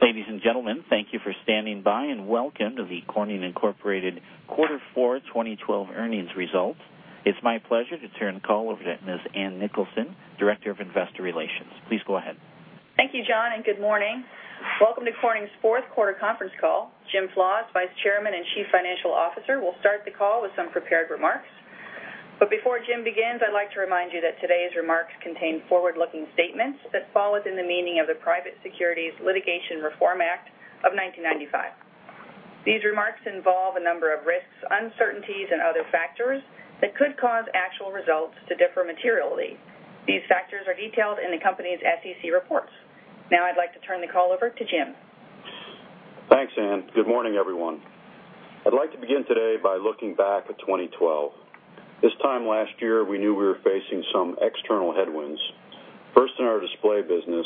Ladies and gentlemen, thank you for standing by, and welcome to the Corning Incorporated Quarter Four 2012 Earnings Result. It's my pleasure to turn the call over to Ms. Ann Nicholson, Director of Investor Relations. Please go ahead. Thank you, John, and good morning. Welcome to Corning's fourth quarter conference call. Jim Flaws, Vice Chairman and Chief Financial Officer, will start the call with some prepared remarks. Before Jim begins, I'd like to remind you that today's remarks contain forward-looking statements that fall within the meaning of the Private Securities Litigation Reform Act of 1995. These remarks involve a number of risks, uncertainties, and other factors that could cause actual results to differ materially. These factors are detailed in the company's SEC reports. Now I'd like to turn the call over to Jim. Thanks, Anne. Good morning, everyone. I'd like to begin today by looking back at 2012. This time last year, we knew we were facing some external headwinds. First in our Display business,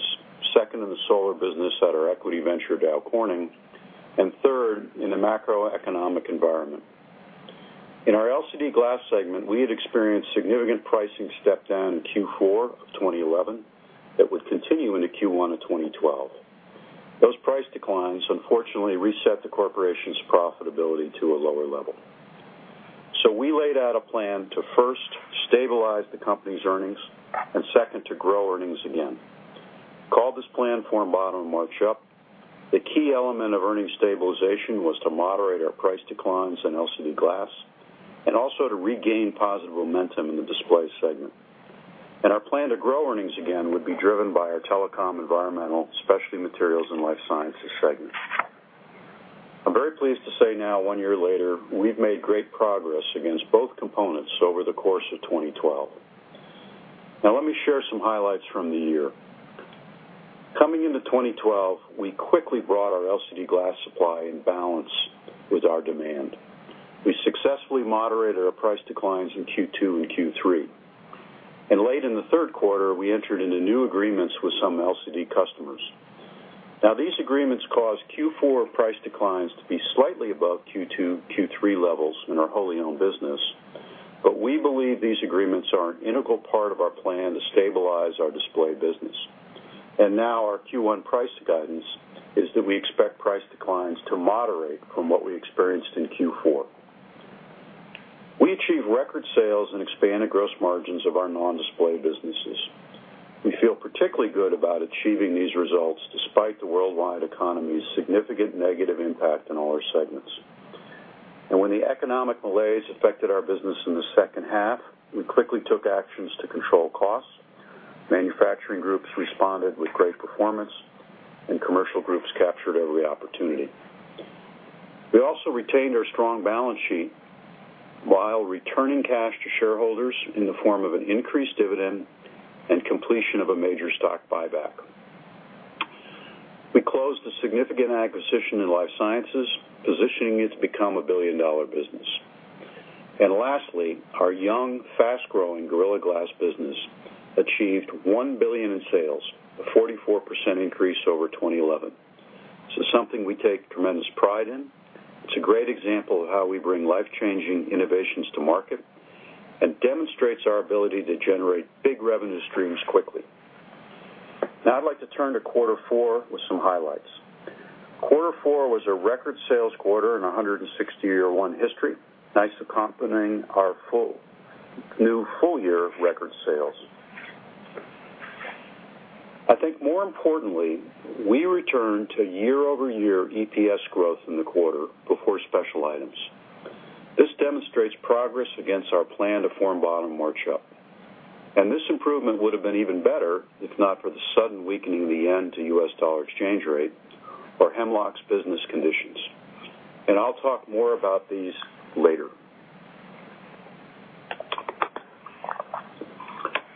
second in the solar business at our equity venture, Dow Corning, and third in the macroeconomic environment. In our LCD Glass segment, we had experienced significant pricing step-down in Q4 of 2011 that would continue into Q1 of 2012. Those price declines unfortunately reset the corporation's profitability to a lower level. We laid out a plan to first stabilize the company's earnings and second, to grow earnings again. Call this plan form bottom, march up. The key element of earning stabilization was to moderate our price declines in LCD Glass, and also to regain positive momentum in the Display segment. Our plan to grow earnings again would be driven by our Telecom, Environmental, Specialty Materials, and Life Sciences segment. I'm very pleased to say now, one year later, we've made great progress against both components over the course of 2012. Now let me share some highlights from the year. Coming into 2012, we quickly brought our LCD Glass supply in balance with our demand. We successfully moderated our price declines in Q2 and Q3. Late in the third quarter, we entered into new agreements with some LCD customers. Now, these agreements caused Q4 price declines to be slightly above Q2, Q3 levels in our wholly owned business. We believe these agreements are an integral part of our plan to stabilize our Display business. Now our Q1 price guidance is that we expect price declines to moderate from what we experienced in Q4. We achieved record sales and expanded gross margins of our non-display businesses. We feel particularly good about achieving these results, despite the worldwide economy's significant negative impact on all our segments. When the economic malaise affected our business in the second half, we quickly took actions to control fixed cost. Manufacturing groups responded with great performance, and commercial groups captured every opportunity. We also retained our strong balance sheet while returning cash to shareholders in the form of an increased dividend and completion of a major stock buyback. We closed a significant acquisition in Life Sciences, positioning it to become a billion-dollar business. Lastly, our young, fast-growing Gorilla Glass business achieved $1 billion in sales, a 44% increase over 2011. This is something we take tremendous pride in. It's a great example of how we bring life-changing innovations to market and demonstrates our ability to generate big revenue streams quickly. Now I'd like to turn to quarter four with some highlights. Quarter four was a record sales quarter in 160-year history. Nice accompanying our new full-year record sales. More importantly, we returned to year-over-year EPS growth in the quarter before special items. This demonstrates progress against our plan to form bottom march up. This improvement would have been even better if not for the sudden weakening of the yen to U.S. dollar exchange rate or Hemlock's business conditions. I'll talk more about these later.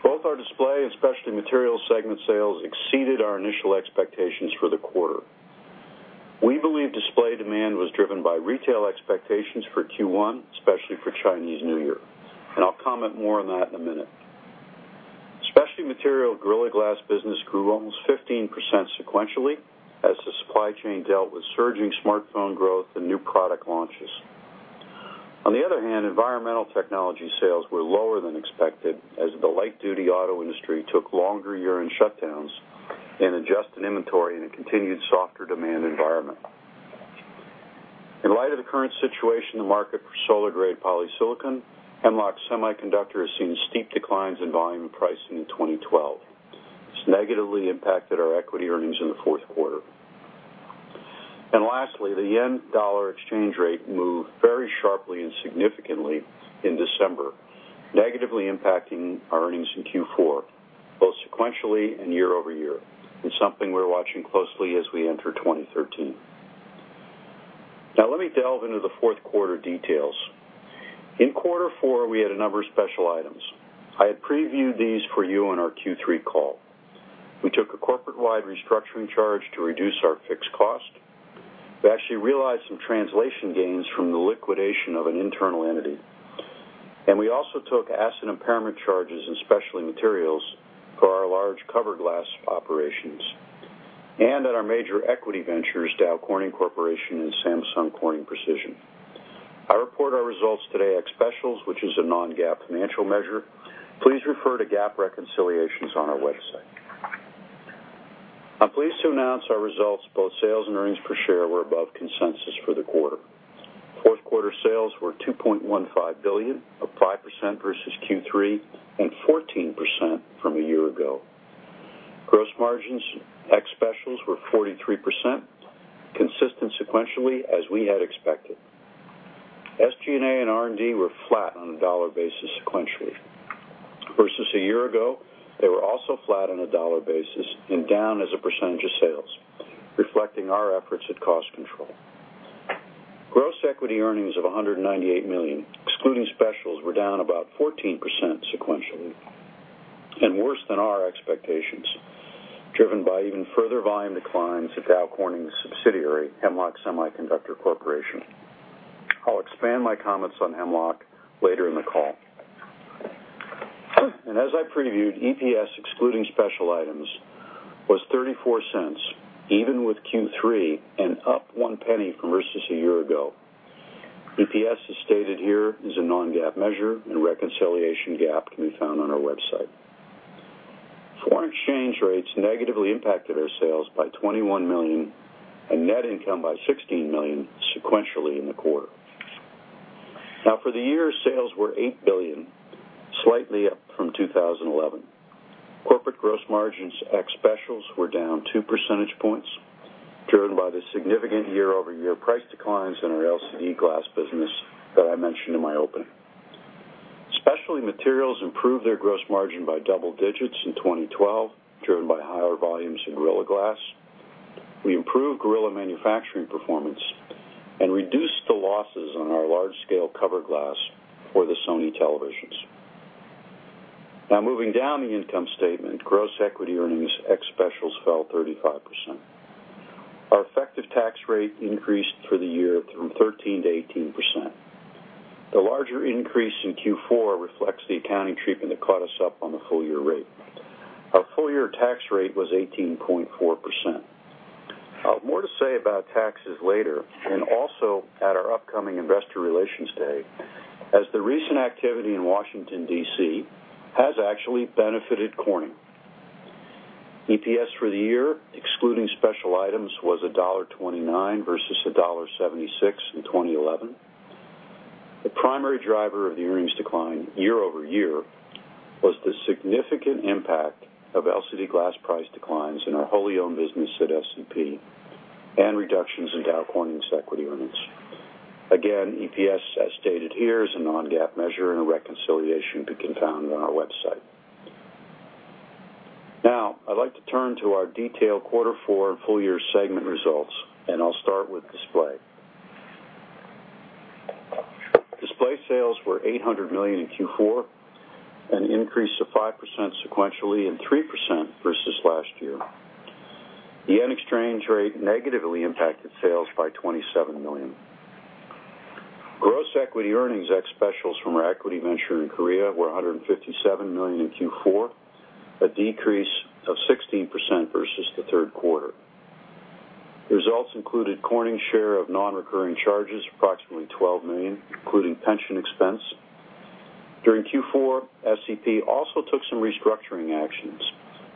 Both our Display and Specialty Materials segment sales exceeded our initial expectations for the quarter. We believe display demand was driven by retail expectations for Q1, especially for Chinese New Year. I'll comment more on that in a minute. Specialty Materials Gorilla Glass business grew almost 15% sequentially as the supply chain dealt with surging smartphone growth and new product launches. On the other hand, Environmental Technologies sales were lower than expected as the light-duty auto industry took longer year-end shutdowns and adjusted inventory in a continued softer demand environment. In light of the current situation in the market for solar-grade polysilicon, Hemlock Semiconductor has seen steep declines in volume and pricing in 2012. It's negatively impacted our equity earnings in the fourth quarter. Lastly, the yen-dollar exchange rate moved very sharply and significantly in December, negatively impacting our earnings in Q4, both sequentially and year-over-year. It's something we're watching closely as we enter 2013. Now let me delve into the fourth quarter details. In quarter four, we had a number of special items. I had previewed these for you on our Q3 call. We took a corporate-wide restructuring charge to reduce our fixed cost. We actually realized some translation gains from the liquidation of an internal entity. We also took asset impairment charges in Specialty Materials for our large cover glass operations and at our major equity ventures, Dow Corning Corporation and Samsung Corning Precision. We report our results today ex specials, which is a non-GAAP financial measure. Please refer to GAAP reconciliations on our website. I'm pleased to announce our results, both sales and earnings per share were above consensus for the quarter. Fourth quarter sales were $2.15 billion, up 5% versus Q3 and 14% from a year ago. Gross margins ex specials were 43%, consistent sequentially as we had expected. SG&A and R&D were flat on a dollar basis sequentially. Versus a year ago, they were also flat on a dollar basis and down as a percentage of sales, reflecting our efforts at cost control. Gross equity earnings of $198 million, excluding specials, were down about 14% sequentially and worse than our expectations, driven by even further volume declines at Dow Corning subsidiary, Hemlock Semiconductor Corporation. I'll expand my comments on Hemlock later in the call. As I previewed, EPS, excluding special items, was $0.34, even with Q3 and up $0.01 versus a year ago. EPS, as stated here, is a non-GAAP measure and reconciliation to GAAP can be found on our website. Foreign exchange rates negatively impacted our sales by $21 million and net income by $16 million sequentially in the quarter. For the year, sales were $8 billion, slightly up from 2011. Corporate gross margins ex specials were down two percentage points, driven by the significant year-over-year price declines in our LCD glass business that I mentioned in my opening. Specialty Materials improved their gross margin by double digits in 2012, driven by higher volumes in Gorilla Glass. We improved Gorilla manufacturing performance and reduced the losses on our large-scale cover glass for the Sony televisions. Moving down the income statement, gross equity earnings ex specials fell 35%. Our effective tax rate increased for the year from 13%-18%. The larger increase in Q4 reflects the accounting treatment that caught us up on the full-year rate. Our full-year tax rate was 18.4%. I'll have more to say about taxes later and also at our upcoming investor relations day, as the recent activity in Washington, D.C., has actually benefited Corning. EPS for the year, excluding special items, was $1.29 versus $1.76 in 2011. The primary driver of the earnings decline year-over-year was the significant impact of LCD glass price declines in our wholly owned business at SCP and reductions in Dow Corning's equity earnings. Again, EPS, as stated here, is a non-GAAP measure and a reconciliation can be found on our website. I'd like to turn to our detailed quarter four and full-year segment results. I'll start with Display. Display sales were $800 million in Q4, an increase of 5% sequentially and 3% versus last year. The JPY exchange rate negatively impacted sales by 27 million. Gross equity earnings ex specials from our equity venture in Korea were $157 million in Q4, a decrease of 16% versus the third quarter. The results included Corning's share of non-recurring charges, approximately $12 million, including pension expense. During Q4, SCP also took some restructuring actions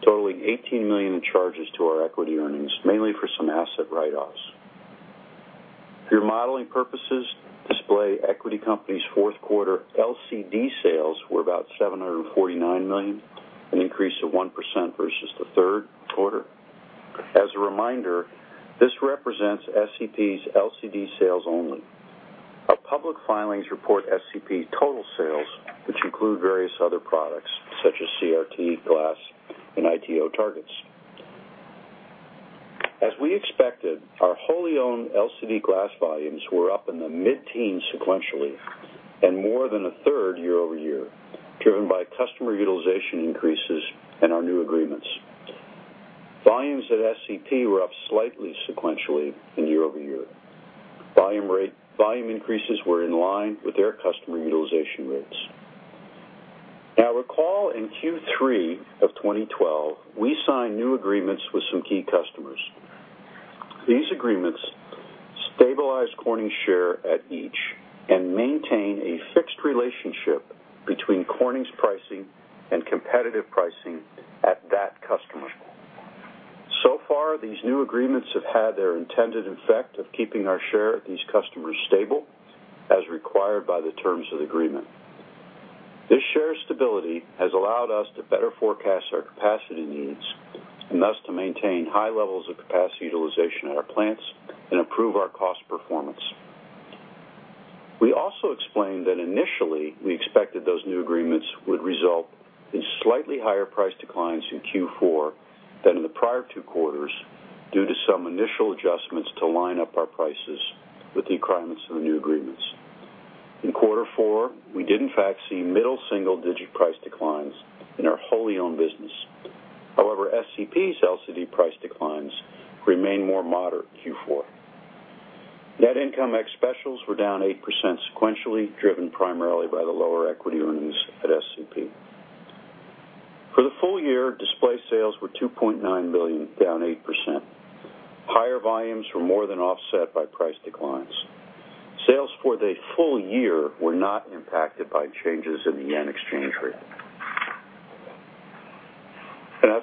totaling $18 million in charges to our equity earnings, mainly for some asset write-offs. For your modeling purposes, Display equity company's fourth quarter LCD sales were about $749 million, an increase of 1% versus the third quarter. As a reminder, this represents SCP's LCD sales only. Our public filings report SCP total sales, which include various other products such as CRT glass and ITO targets. As we expected, our wholly owned LCD glass volumes were up in the mid-teens sequentially and more than a third year-over-year, driven by customer utilization increases and our new agreements. Volumes at SCP were up slightly sequentially and year-over-year. Volume increases were in line with their customer utilization rates. Recall in Q3 of 2012, we signed new agreements with some key customers. These agreements stabilize Corning's share at each and maintain a fixed relationship between Corning's pricing and competitive pricing at that customer. So far, these new agreements have had their intended effect of keeping our share at these customers stable, as required by the terms of the agreement. This share stability has allowed us to better forecast our capacity needs and thus to maintain high levels of capacity utilization at our plants and improve our cost performance. We also explained that initially, we expected those new agreements would result in slightly higher price declines in Q4 than in the prior two quarters due to some initial adjustments to line up our prices with the requirements of the new agreements. In quarter four, we did in fact see middle single-digit price declines in our wholly owned business. However, SCP's LCD price declines remained more moderate in Q4. Net income ex specials were down 8% sequentially, driven primarily by the lower equity earnings at SCP. For the full year, Display Technologies sales were $2.9 billion, down 8%. Higher volumes were more than offset by price declines. Sales for the full year were not impacted by changes in the JPY exchange rate.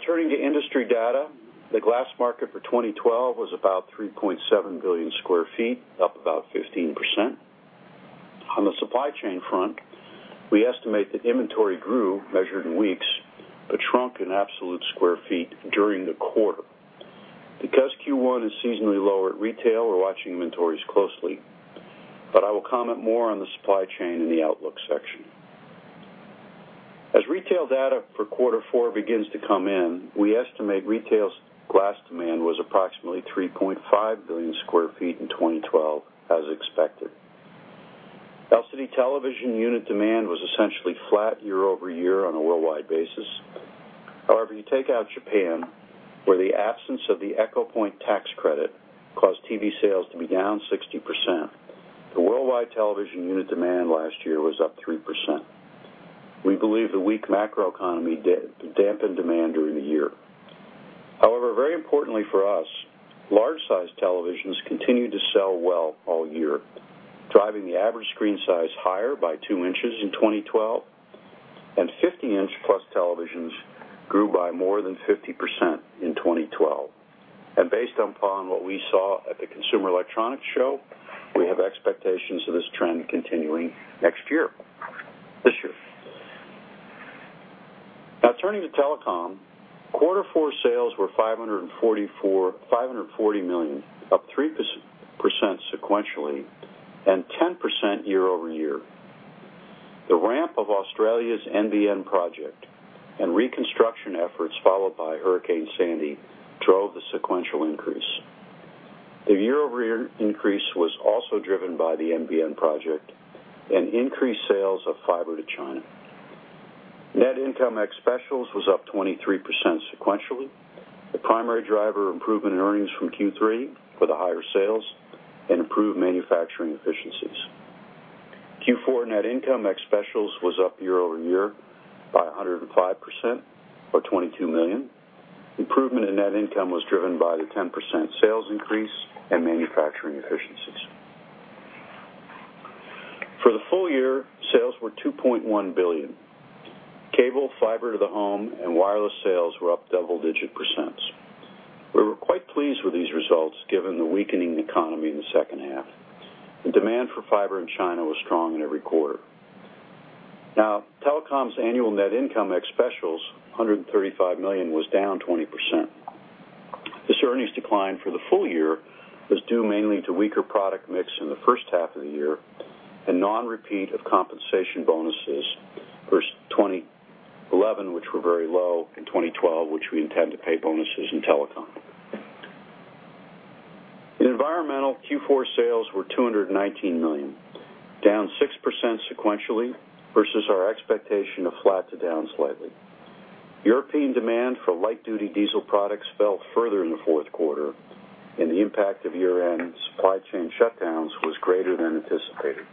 Turning to industry data. The glass market for 2012 was about 3.7 billion square feet, up about 15%. On the supply chain front, we estimate that inventory grew, measured in weeks, but shrunk in absolute square feet during the quarter. Because Q1 is seasonally lower at retail, we're watching inventories closely. But I will comment more on the supply chain in the outlook section. As retail data for quarter four begins to come in, we estimate retail glass demand was approximately 3.5 billion square feet in 2012, as expected. LCD television unit demand was essentially flat year-over-year on a worldwide basis. However, you take out Japan, where the absence of the Eco-Point Program caused TV sales to be down 60%. The worldwide television unit demand last year was up 3%. We believe the weak macroeconomy dampened demand during the year. However, very importantly for us, large-sized televisions continued to sell well all year, driving the average screen size higher by two inches in 2012, and 50-inch-plus televisions grew by more than 50% in 2012. And based upon what we saw at the Consumer Electronics Show, we have expectations of this trend continuing this year. Turning to Telecom. Quarter 4 sales were $540 million, up 3% sequentially and 10% year-over-year. The ramp of Australia's NBN project and reconstruction efforts followed by Hurricane Sandy drove the sequential increase. The year-over-year increase was also driven by the NBN project and increased sales of fiber to China. Net income ex specials was up 23% sequentially. The primary driver improvement in earnings from Q3 for the higher sales and improved manufacturing efficiencies. Q4 net income ex specials was up year-over-year by 105% or $22 million. Improvement in net income was driven by the 10% sales increase and manufacturing efficiencies. For the full year, sales were $2.1 billion. Cable, fiber to the home, and wireless sales were up double-digit percents. We were quite pleased with these results given the weakening economy in the second half, and demand for fiber in China was strong in every quarter. Telecom's annual net income ex specials, $135 million, was down 20%. This earnings decline for the full year was due mainly to weaker product mix in the first half of the year and non-repeat of compensation bonuses versus 2011, which were very low, in 2012, which we intend to pay bonuses in Telecom. In Environmental, Q4 sales were $219 million, down 6% sequentially versus our expectation of flat to down slightly. European demand for light-duty diesel products fell further in the fourth quarter, and the impact of year-end supply chain shutdowns was greater than anticipated.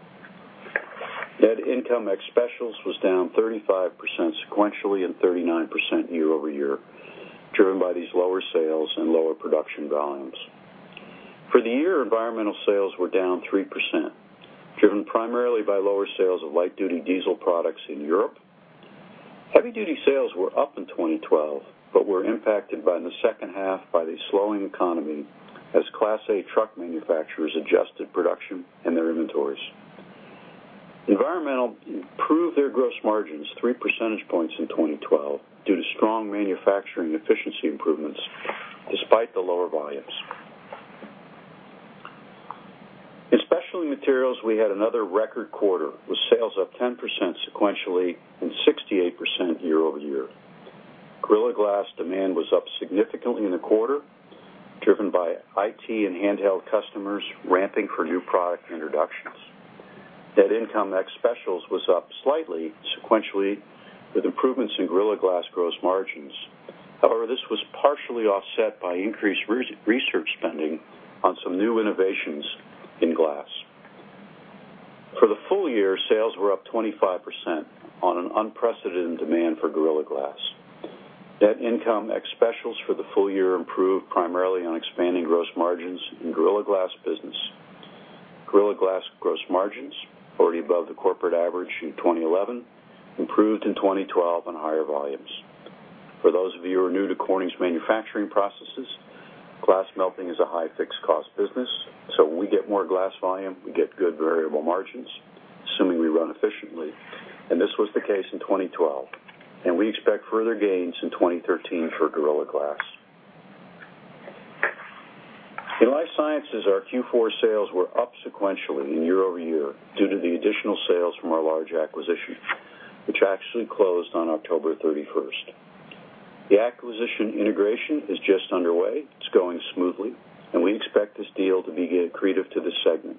Net income ex specials was down 35% sequentially and 39% year-over-year, driven by these lower sales and lower production volumes. For the year, Environmental sales were down 3%, driven primarily by lower sales of light-duty diesel products in Europe. Heavy-duty sales were up in 2012, but were impacted by the second half by the slowing economy as Class A truck manufacturers adjusted production and their inventories. Environmental improved their gross margins 3 percentage points in 2012 due to strong manufacturing efficiency improvements despite the lower volumes. In Specialty Materials, we had another record quarter with sales up 10% sequentially and 68% year-over-year. Gorilla Glass demand was up significantly in the quarter, driven by IT and handheld customers ramping for new product introductions. Net income ex specials was up slightly sequentially with improvements in Gorilla Glass gross margins. However, this was partially offset by increased research spending on some new innovations in glass. For the full year, sales were up 25% on an unprecedented demand for Gorilla Glass. Net income ex specials for the full year improved primarily on expanding gross margins in Gorilla Glass business. Gorilla Glass gross margins, already above the corporate average in 2011, improved in 2012 on higher volumes. This was the case in 2012, and we expect further gains in 2013 for Gorilla Glass. In Life Sciences, our Q4 sales were up sequentially and year-over-year due to the additional sales from our large acquisition, which actually closed on October 31st. The acquisition integration is just underway. It is going smoothly, and we expect this deal to be accretive to the segment.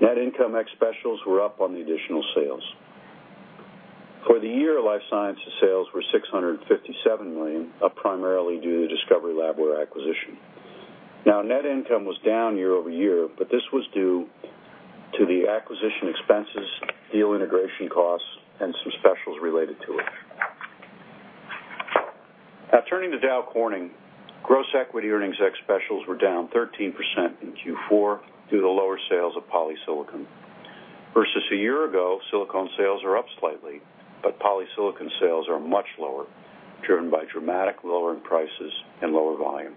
Net income ex specials were up on the additional sales. For the year, Life Sciences sales were $600 million. Net income was down year-over-year, but this was due to the acquisition expenses, deal integration costs, and some specials related to it. Turning to Dow Corning. Gross equity earnings ex specials were down 13% in Q4 due to lower sales of polysilicon. Versus a year ago, silicone sales are up slightly, but polysilicon sales are much lower, driven by dramatic lower end prices and lower volume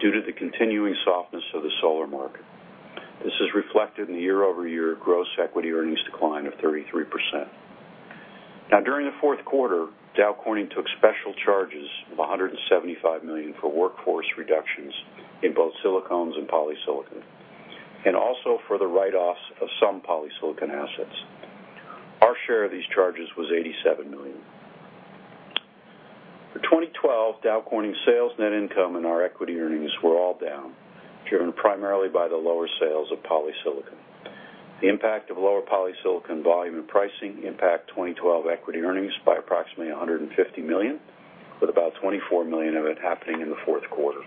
due to the continuing softness of the solar market. This is reflected in the year-over-year gross equity earnings decline of 33%. During the fourth quarter, Dow Corning took special charges of $175 million for workforce reductions in both silicones and polysilicon, and also for the write-offs of some polysilicon assets. Our share of these charges was $87 million. For 2012, Dow Corning sales net income and our equity earnings were all down, driven primarily by the lower sales of polysilicon. The impact of lower polysilicon volume and pricing impact 2012 equity earnings by approximately $150 million, with about $24 million of it happening in the fourth quarter.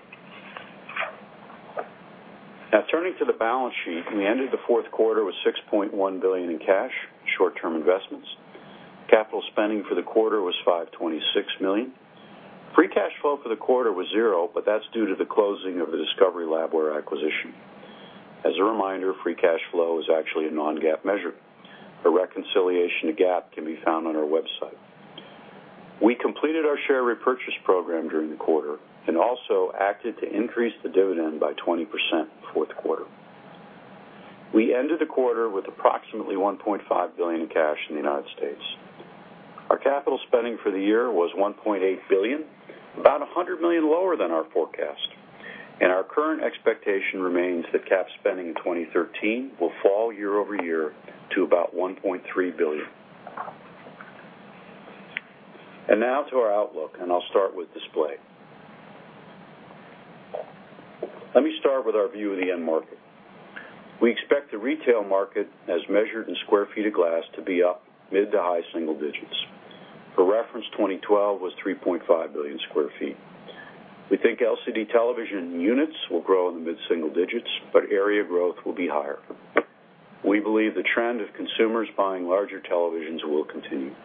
Now turning to the balance sheet. We ended the fourth quarter with $6.1 billion in cash, short-term investments. Capital spending for the quarter was $526 million. Free cash flow for the quarter was zero, but that's due to the closing of the Discovery Labware acquisition. As a reminder, free cash flow is actually a non-GAAP measure. A reconciliation to GAAP can be found on our website. We completed our share repurchase program during the quarter. Also, we acted to increase the dividend by 20% in the fourth quarter. We ended the quarter with approximately $1.5 billion in cash in the U.S. Our capital spending for the year was $1.8 billion, about $100 million lower than our forecast. Our current expectation remains that cap spending in 2013 will fall year-over-year to about $1.3 billion. Now to our outlook, I'll start with Display. Let me start with our view of the end market. We expect the retail market, as measured in sq ft of glass, to be up mid to high single digits. For reference, 2012 was 3.5 billion sq ft. We think LCD television units will grow in the mid-single digits, but area growth will be higher. We believe the trend of consumers buying larger televisions will continue.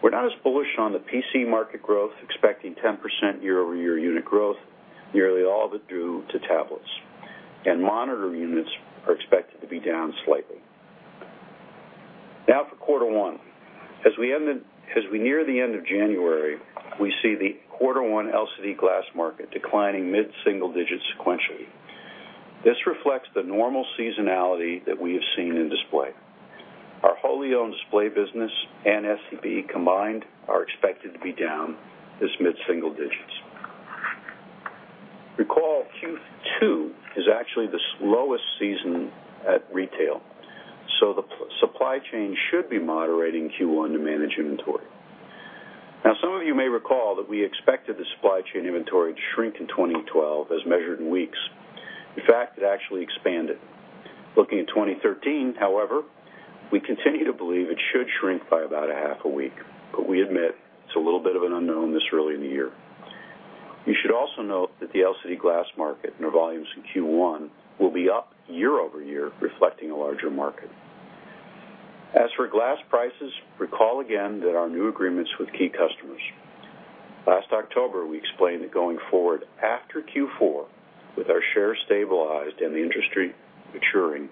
We're not as bullish on the PC market growth, expecting 10% year-over-year unit growth, nearly all of it due to tablets. Monitor units are expected to be down slightly. Now for Q1. As we near the end of January, we see the Q1 LCD glass market declining mid-single digits sequentially. This reflects the normal seasonality that we have seen in display. Our wholly owned Display business and SCP combined are expected to be down this mid-single digits. Recall Q2 is actually the slowest season at retail. The supply chain should be moderating Q1 to manage inventory. Some of you may recall that we expected the supply chain inventory to shrink in 2012 as measured in weeks. In fact, it actually expanded. Looking at 2013, however, we continue to believe it should shrink by about a half a week, but we admit it's a little bit of an unknown this early in the year. You should also note that the LCD glass market and our volumes in Q1 will be up year-over-year, reflecting a larger market. As for glass prices, recall again that our new agreements with key customers. Last October, we explained that going forward after Q4, with our share stabilized and the industry maturing,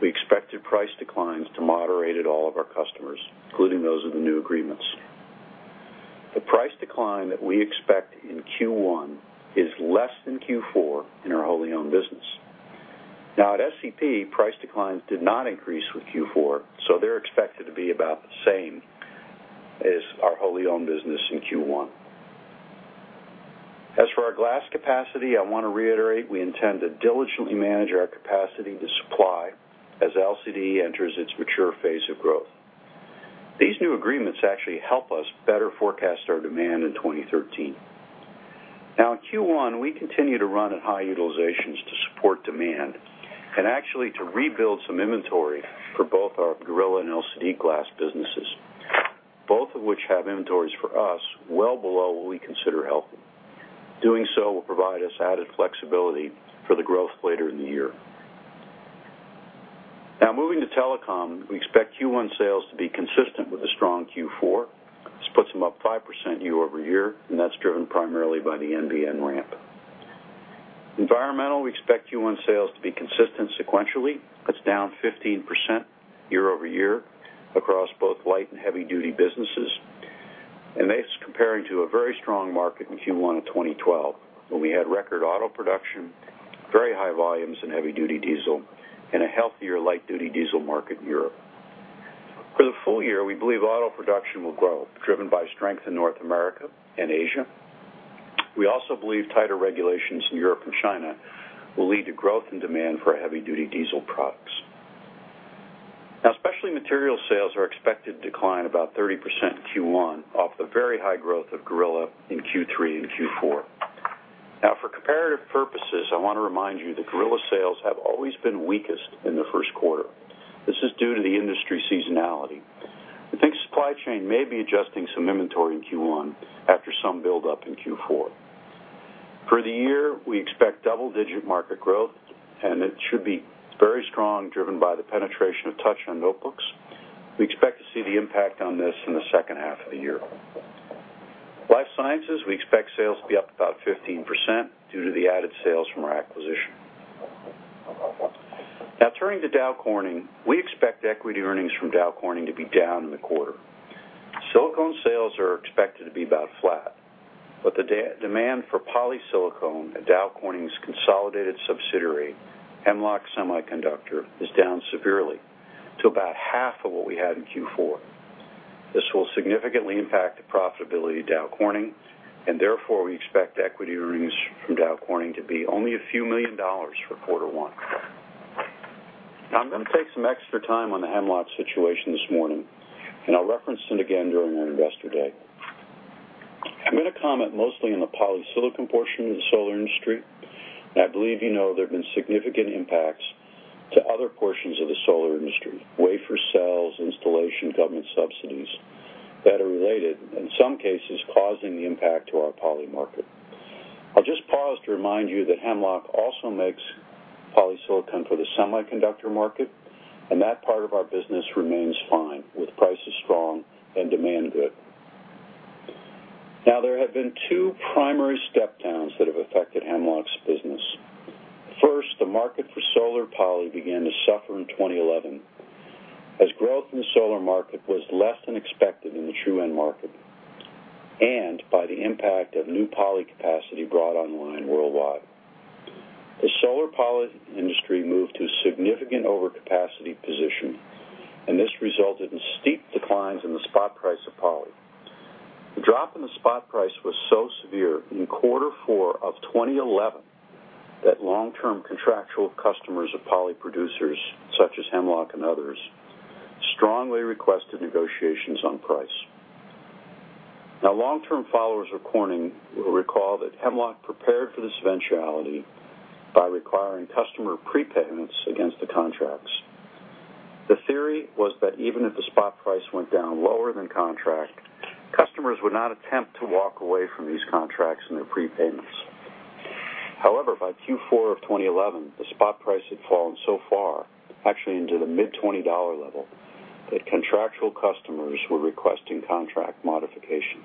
we expected price declines to moderate at all of our customers, including those with the new agreements. The price decline that we expect in Q1 is less than Q4 in our wholly owned business. At SCP, price declines did not increase with Q4. They're expected to be about the same as our wholly owned business in Q1. As for our glass capacity, I want to reiterate we intend to diligently manage our capacity to supply as LCD enters its mature phase of growth. These new agreements actually help us better forecast our demand in 2013. In Q1, we continue to run at high utilizations to support demand and actually to rebuild some inventory for both our Gorilla and LCD glass businesses, both of which have inventories for us well below what we consider healthy. Doing so will provide us added flexibility for the growth later in the year. Moving to Telecom, we expect Q1 sales to be consistent with a strong Q4. This puts them up 5% year-over-year. That's driven primarily by the NBN ramp. Environmental Technologies, we expect Q1 sales to be consistent sequentially. That's down 15% year-over-year across both light and heavy duty businesses. That's comparing to a very strong market in Q1 of 2012, when we had record auto production, very high volumes in heavy duty diesel, and a healthier light duty diesel market in Europe. For the full year, we believe auto production will grow, driven by strength in North America and Asia. We also believe tighter regulations in Europe and China will lead to growth in demand for heavy duty diesel products. Specialty Materials sales are expected to decline about 30% in Q1 off the very high growth of Gorilla Glass in Q3 and Q4. For comparative purposes, I want to remind you that Gorilla Glass sales have always been weakest in the first quarter. This is due to the industry seasonality. We think supply chain may be adjusting some inventory in Q1 after some buildup in Q4. For the year, we expect double-digit market growth. It should be very strong, driven by the penetration of touch on notebooks. We expect to see the impact on this in the second half of the year. Life Sciences, we expect sales to be up about 15% due to the added sales from our acquisition. Turning to Dow Corning. We expect equity earnings from Dow Corning to be down in the quarter. Silicone sales are expected to be about flat. The demand for polysilicone at Dow Corning's consolidated subsidiary, Hemlock Semiconductor, is down severely to about half of what we had in Q4. This will significantly impact the profitability of Dow Corning. Therefore, we expect equity earnings from Dow Corning to be only a few million dollars for quarter one. I'm going to take some extra time on the Hemlock Semiconductor situation this morning. I'll reference it again during our investor day. I'm going to comment mostly on the polysilicon portion of the solar industry. I believe you know there have been significant impacts to other portions of the solar industry, wafer cells, installation, government subsidies that are related, in some cases, causing the impact to our poly market. I'll just pause to remind you that Hemlock Semiconductor also makes polysilicon for the semiconductor market. That part of our business remains fine, with prices strong and demand good. There have been two primary step-downs that have affected Hemlock Semiconductor's business. First, the market for solar poly began to suffer in 2011 as growth in the solar market was less than expected in the true end market, by the impact of new poly capacity brought online worldwide. The solar poly industry moved to a significant overcapacity position. This resulted in steep declines in the spot price of poly. The drop in the spot price was so severe in quarter four of 2011 that long-term contractual customers of poly producers, such as Hemlock Semiconductor and others, strongly requested negotiations on price. Long-term followers of Corning will recall that Hemlock Semiconductor prepared for this eventuality by requiring customer prepayments against the contracts. The theory was that even if the spot price went down lower than contract, customers would not attempt to walk away from these contracts and their prepayments. By Q4 of 2011, the spot price had fallen so far, actually into the mid-$20 level, that contractual customers were requesting contract modifications.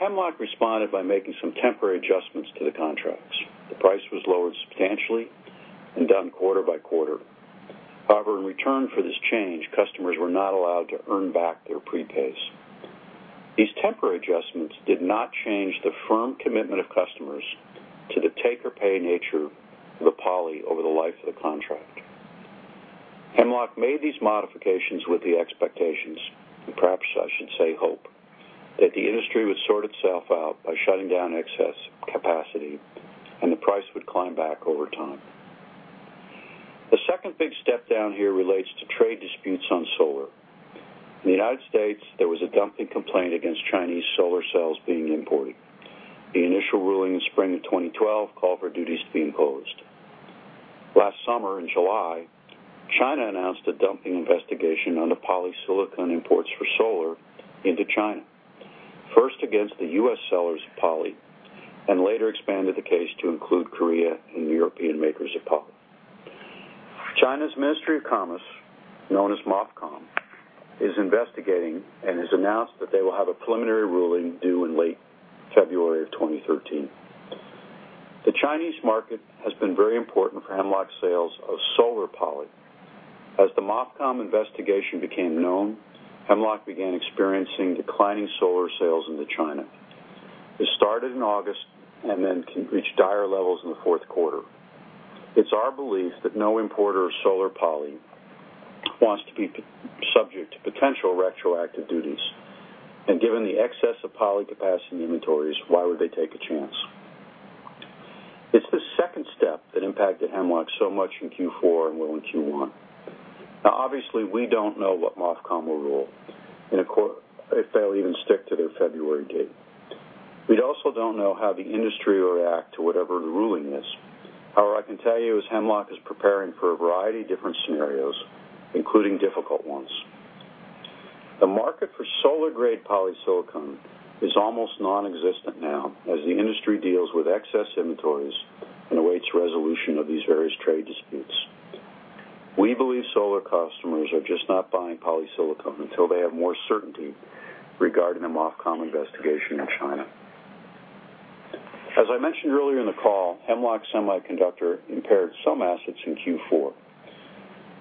Hemlock responded by making some temporary adjustments to the contracts. The price was lowered substantially and done quarter by quarter. In return for this change, customers were not allowed to earn back their prepays. These temporary adjustments did not change the firm commitment of customers to the take or pay nature of the poly over the life of the contract. Hemlock made these modifications with the expectations, and perhaps I should say hope, that the industry would sort itself out by shutting down excess capacity and the price would climb back over time. The second big step down here relates to trade disputes on solar. In the U.S., there was a dumping complaint against Chinese solar cells being imported. The initial ruling in spring of 2012 called for duties to be imposed. Last summer, in July, China announced a dumping investigation on the polysilicon imports for solar into China. First against the U.S. sellers of poly, and later expanded the case to include Korea and European makers of poly. China's Ministry of Commerce, known as MOFCOM, is investigating and has announced that they will have a preliminary ruling due in late February of 2013. The Chinese market has been very important for Hemlock sales of solar poly. As the MOFCOM investigation became known, Hemlock began experiencing declining solar sales into China. This started in August and then reached dire levels in the fourth quarter. It's our belief that no importer of solar poly wants to be subject to potential retroactive duties, and given the excess of poly capacity inventories, why would they take a chance? It's the second step that impacted Hemlock so much in Q4 and will in Q1. Obviously, we don't know what MOFCOM will rule, if they'll even stick to their February date. We also don't know how the industry will react to whatever the ruling is. I can tell you is Hemlock is preparing for a variety of different scenarios, including difficult ones. The market for solar-grade polysilicon is almost nonexistent now, as the industry deals with excess inventories and awaits resolution of these various trade disputes. We believe solar customers are just not buying polysilicon until they have more certainty regarding the MOFCOM investigation in China. As I mentioned earlier in the call, Hemlock Semiconductor impaired some assets in Q4.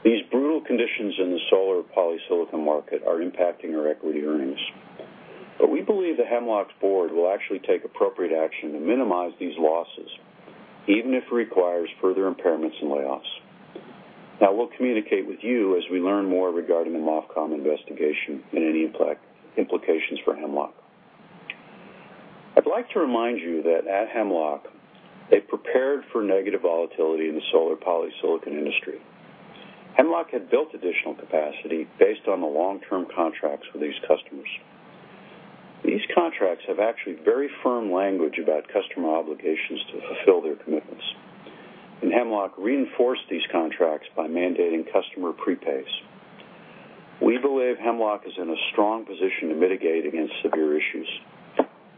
These brutal conditions in the solar polysilicon market are impacting our equity earnings. We believe that Hemlock's board will actually take appropriate action to minimize these losses, even if it requires further impairments and layoffs. We'll communicate with you as we learn more regarding the MOFCOM investigation and any implications for Hemlock. I'd like to remind you that at Hemlock, they prepared for negative volatility in the solar polysilicon industry. Hemlock had built additional capacity based on the long-term contracts with these customers. These contracts have actually very firm language about customer obligations to fulfill their commitments. Hemlock reinforced these contracts by mandating customer prepays. We believe Hemlock is in a strong position to mitigate against severe issues.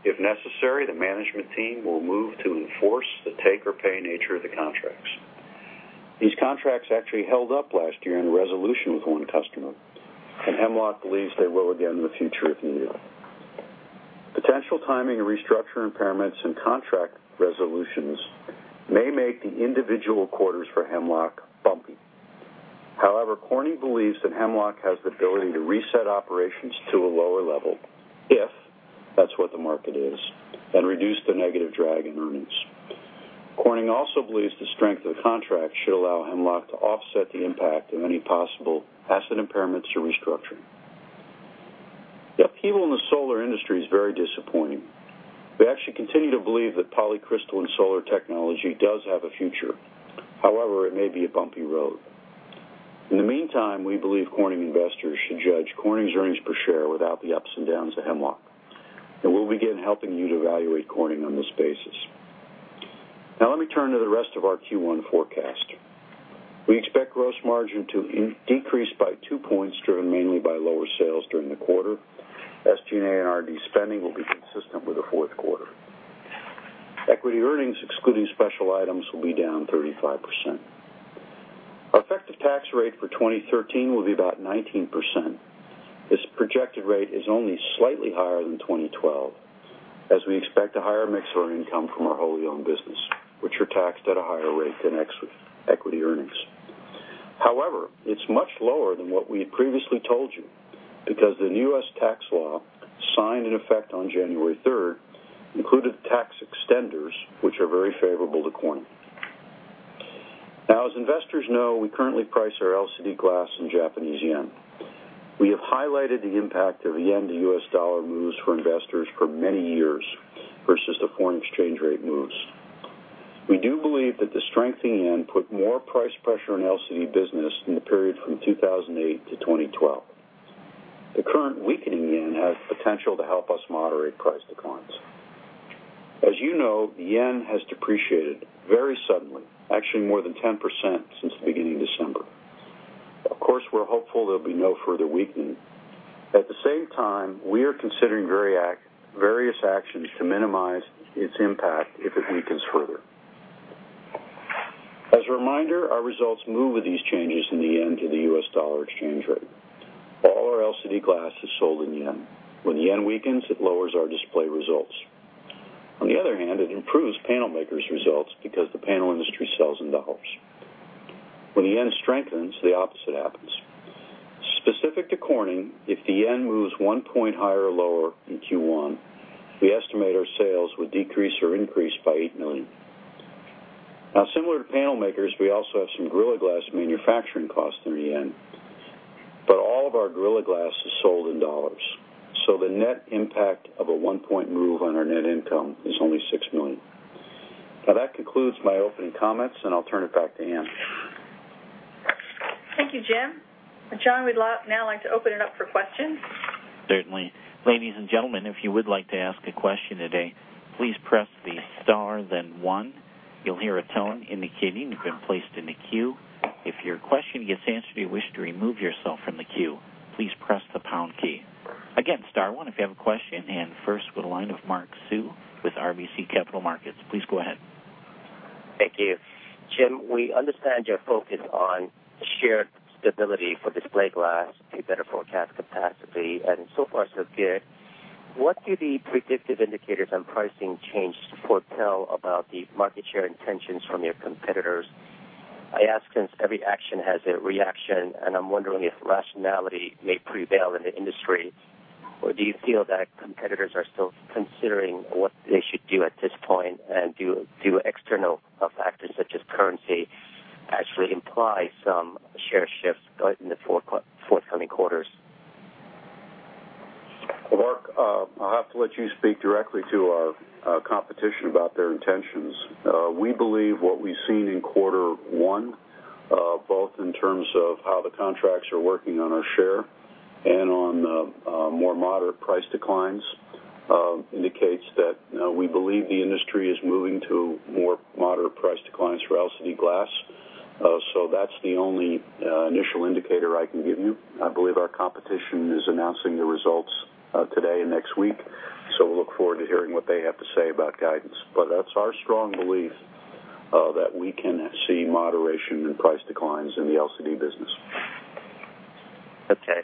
If necessary, the management team will move to enforce the take or pay nature of the contracts. These contracts actually held up last year in resolution with one customer, and Hemlock believes they will again in the future if needed. Potential timing of restructure impairments and contract resolutions may make the individual quarters for Hemlock bumpy. Corning believes that Hemlock has the ability to reset operations to a lower level if that's what the market is, and reduce the negative drag in earnings. Corning also believes the strength of the contract should allow Hemlock to offset the impact of any possible asset impairments or restructuring. The upheaval in the solar industry is very disappointing. We actually continue to believe that polycrystalline and solar technology does have a future. It may be a bumpy road. In the meantime, we believe Corning investors should judge Corning's earnings per share without the ups and downs of Hemlock, and we'll begin helping you to evaluate Corning on this basis. Let me turn to the rest of our Q1 forecast. We expect gross margin to decrease by two points, driven mainly by lower sales during the quarter. SG&A and R&D spending will be consistent with the fourth quarter. Equity earnings, excluding special items, will be down 35%. Our effective tax rate for 2013 will be about 19%. This projected rate is only slightly higher than 2012, as we expect a higher mix of our income from our wholly owned business, which are taxed at a higher rate than equity earnings. It's much lower than what we had previously told you, because the new U.S. tax law, signed in effect on January 3rd, included tax extenders, which are very favorable to Corning. As investors know, we currently price our LCD glass in Japanese yen. We have highlighted the impact of yen-to-U.S. dollar moves for investors for many years versus the foreign exchange rate moves. We do believe that the strengthening yen put more price pressure on LCD business in the period from 2008-2012. The current weakening yen has potential to help us moderate price declines. As you know, the yen has depreciated very suddenly, actually more than 10% since the beginning of December. Of course, we're hopeful there'll be no further weakening. At the same time, we are considering various actions to minimize its impact if it weakens further. As a reminder, our results move with these changes in the yen-to-the U.S. dollar exchange rate. All our LCD glass is sold in yen. When the yen weakens, it lowers our display results. On the other hand, it improves panel makers' results because the panel industry sells in U.S. dollars. When the yen strengthens, the opposite happens. Specific to Corning, if the yen moves one point higher or lower in Q1, we estimate our sales would decrease or increase by $8 million. Similar to panel makers, we also have some Gorilla Glass manufacturing costs in the yen, but all of our Gorilla Glass is sold in U.S. dollars. The net impact of a one-point move on our net income is only $6 million. That concludes my opening comments, and I'll turn it back to Ann. Thank you, Jim. John, we'd now like to open it up for questions. Certainly. Ladies and gentlemen, if you would like to ask a question today, please press the star then one. You'll hear a tone indicating you've been placed in a queue. If your question gets answered or you wish to remove yourself from the queue, please press the pound key. Again, star one if you have a question, first with the line of Mark Hsu with RBC Capital Markets. Please go ahead. Thank you. Jim, we understand your focus on shared stability for display glass to better forecast capacity, and so far, so good. What do the predictive indicators on pricing change foretell about the market share intentions from your competitors? I ask since every action has a reaction, and I'm wondering if rationality may prevail in the industry. Do you feel that competitors are still considering what they should do at this point, and do external factors such as currency actually imply some share shifts in the forthcoming quarters? Mark, I'll have to let you speak directly to our competition about their intentions. We believe what we've seen in quarter one, both in terms of how the contracts are working on our share and on more moderate price declines, indicates that we believe the industry is moving to more moderate price declines for LCD glass. That's the only initial indicator I can give you. I believe our competition is announcing their results today and next week, so we'll look forward to hearing what they have to say about guidance. That's our strong belief, that we can see moderation in price declines in the LCD business. Okay.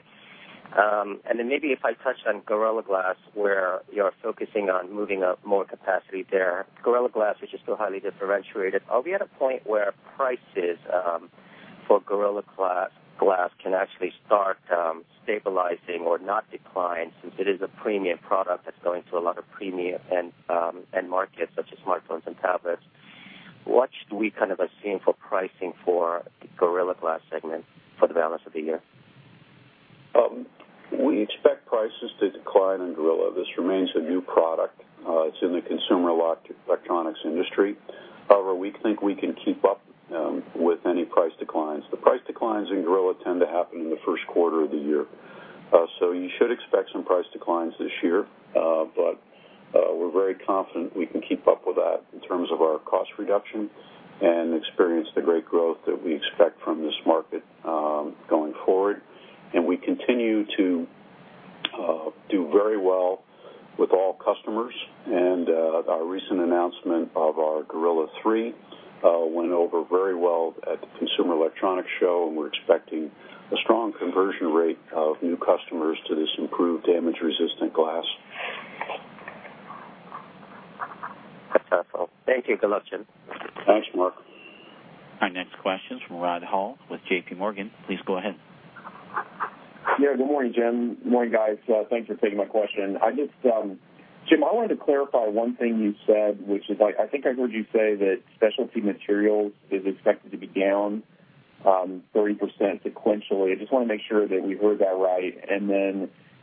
Then maybe if I touch on Gorilla Glass, where you're focusing on moving up more capacity there. Gorilla Glass, which is still highly differentiated, are we at a point where prices for Gorilla Glass can actually start stabilizing or not decline, since it is a premium product that's going to a lot of premium end markets such as smartphones and tablets? What should we kind of assume for pricing for the Gorilla Glass segment for the balance of the year? We expect prices to decline in Gorilla. This remains a new product. It's in the consumer electronics industry. However, we think we can keep up declines. The price declines in Gorilla tend to happen in the first quarter of the year. You should expect some price declines this year. We're very confident we can keep up with that in terms of our cost reduction and experience the great growth that we expect from this market going forward. Our recent announcement of our Gorilla 3 went over very well at the Consumer Electronics Show, and we're expecting a strong conversion rate of new customers to this improved damage-resistant glass. That's helpful. Thank you. Good luck, Jim. Thanks, Mark. Our next question is from Rod Hall with JPMorgan. Please go ahead. Yeah, good morning, Jim. Morning, guys. Thanks for taking my question. Jim, I wanted to clarify one thing you said, which is, I think I heard you say that Specialty Materials is expected to be down 30% sequentially. I just want to make sure that we've heard that right.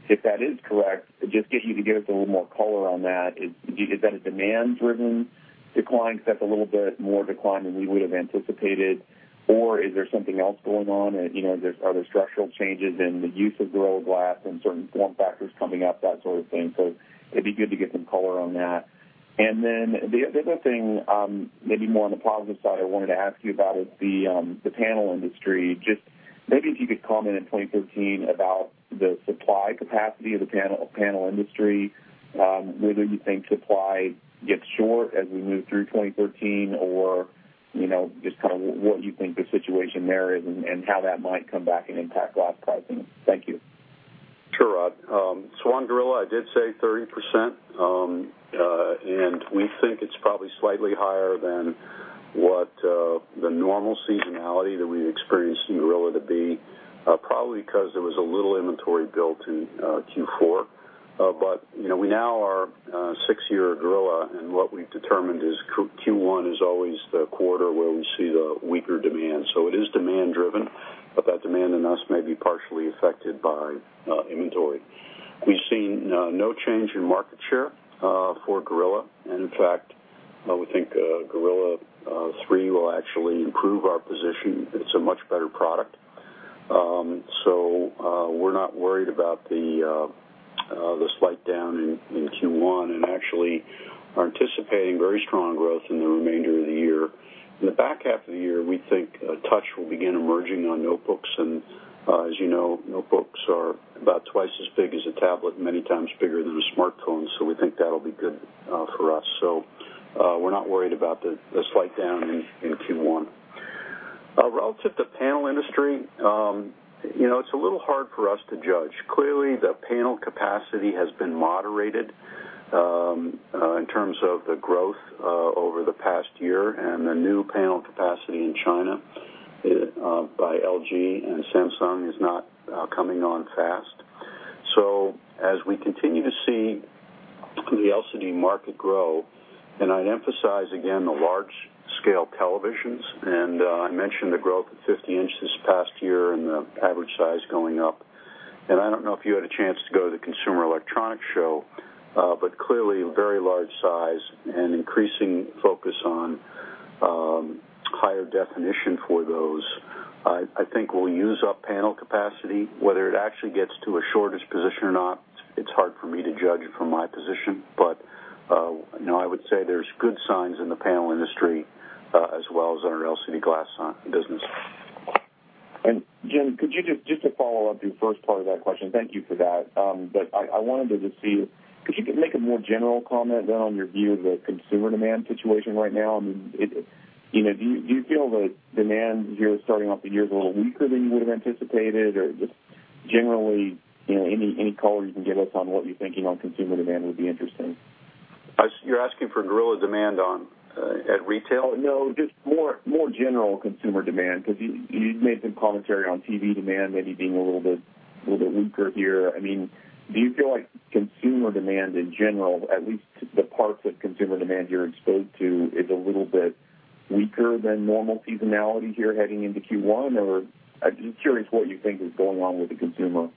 If that is correct, just get you to give us a little more color on that. Is that a demand-driven decline? That's a little bit more decline than we would have anticipated. Is there something else going on? Are there structural changes in the use of Gorilla Glass and certain form factors coming up, that sort of thing? It'd be good to get some color on that. The other thing, maybe more on the positive side I wanted to ask you about is the panel industry. Just maybe if you could comment in 2013 about the supply capacity of the panel industry, whether you think supply gets short as we move through 2013, or just kind of what you think the situation there is and how that might come back and impact glass pricing. Thank you. Sure, Rod. On Gorilla Glass, I did say 30%, and we think it's probably slightly higher than what the normal seasonality that we experienced in Gorilla Glass to be, probably because there was a little inventory built in Q4. We now are 6-year Gorilla Glass, and what we've determined is Q1 is always the quarter where we see the weaker demand. It is demand-driven, but that demand in us may be partially affected by inventory. We've seen no change in market share for Gorilla Glass. In fact, we think Gorilla Glass 3 will actually improve our position. It's a much better product. We're not worried about the slight down in Q1, and actually are anticipating very strong growth in the remainder of the year. In the back half of the year, we think touch will begin emerging on notebooks. As you know, notebooks are about twice as big as a tablet and many times bigger than a smartphone. We think that'll be good for us. We're not worried about the slight down in Q1. Relative to panel industry, it's a little hard for us to judge. Clearly, the panel capacity has been moderated in terms of the growth over the past year. The new panel capacity in China by LG and Samsung is not coming on fast. As we continue to see the LCD market grow, I'd emphasize again the large-scale televisions. I mentioned the growth of 50 inches this past year and the average size going up. I don't know if you had a chance to go to the Consumer Electronics Show, but clearly a very large size and increasing focus on higher definition for those. I think we'll use up panel capacity. Whether it actually gets to a shortage position or not, it's hard for me to judge from my position. I would say there's good signs in the panel industry as well as in our LCD glass business. Jim, just to follow up your first part of that question, thank you for that. I wanted to just see if you could make a more general comment then on your view of the consumer demand situation right now. Do you feel the demand here starting off the year is a little weaker than you would have anticipated? Just generally, any color you can give us on what you're thinking on consumer demand would be interesting. You're asking for Gorilla demand at retail? Just more general consumer demand, because you made some commentary on TV demand maybe being a little bit weaker here. Do you feel like consumer demand in general, at least the parts of consumer demand you're exposed to, is a little bit weaker than normal seasonality here heading into Q1? Or I'm just curious what you think is going on with the consumer.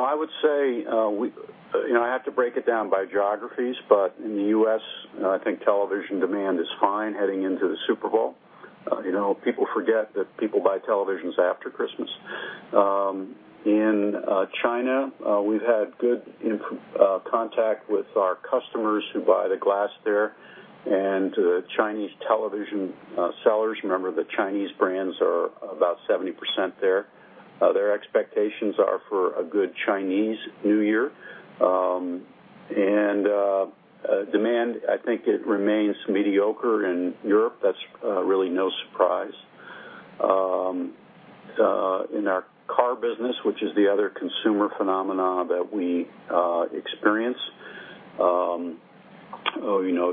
I would say, I have to break it down by geographies, in the U.S., I think television demand is fine heading into the Super Bowl. People forget that people buy televisions after Christmas. In China, we've had good contact with our customers who buy the glass there, and Chinese television sellers. Remember, the Chinese brands are about 70% there. Their expectations are for a good Chinese New Year. Demand, I think it remains mediocre in Europe. That's really no surprise. In our car business, which is the other consumer phenomena that we experience,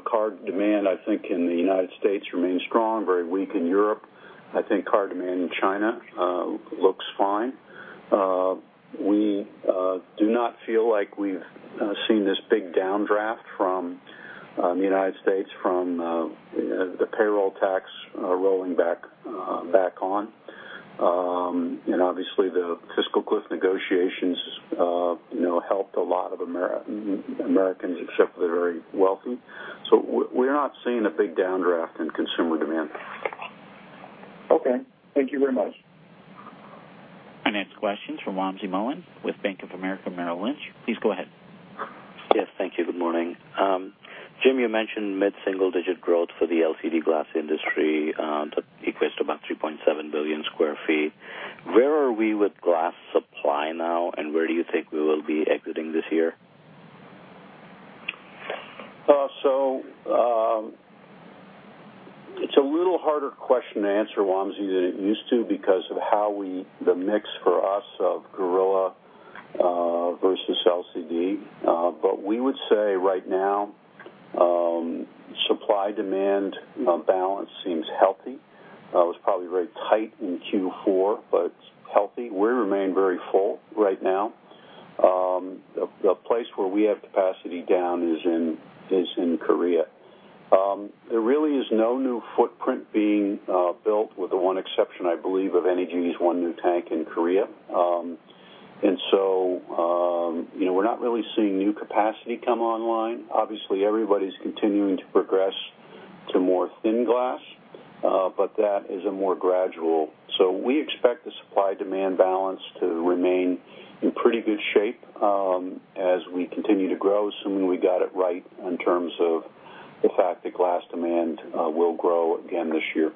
car demand, I think, in the United States remains strong, very weak in Europe. I think car demand in China looks fine. We do not feel like we've seen this big downdraft from the United States from the payroll tax rolling back on. Obviously, the fiscal cliff negotiations helped a lot of Americans except for the very wealthy. We're not seeing a big downdraft in consumer demand. Okay. Thank you very much. Our next question's from Wamsi Mohan with Bank of America Merrill Lynch. Please go ahead. Yes, thank you. Good morning. Jim, you mentioned mid-single-digit growth for the LCD glass industry. That equates to about 3.7 billion square feet. Where are we with glass supply now, and where do you think we will be exiting this year? It's a little harder question to answer, Wamsi, than it used to because of the mix for us of Gorilla versus LCD. We would say right now, supply-demand balance seems healthy. It was probably very tight in Q4, but healthy. We remain very full right now. The place where we have capacity down is in Korea. There really is no new footprint being built, with the one exception, I believe, of NEG's one new tank in Korea. We're not really seeing new capacity come online. Obviously, everybody's continuing to progress to more thin glass, but that is more gradual. We expect the supply-demand balance to remain in pretty good shape as we continue to grow, assuming we got it right in terms of the fact that glass demand will grow again this year.